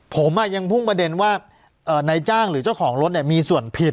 ผมอ่ะยังพุ่งประเด็นว่าเอ่อในจ้างหรือเจ้าของรถเนี้ยมีส่วนผิด